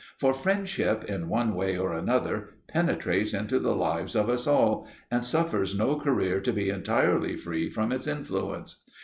For friendship, in one way or another, penetrates into the lives of us all, and suffers no career to be entirely free from its influence.